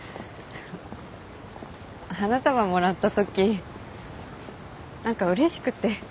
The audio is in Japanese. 花束もらったとき何かうれしくて。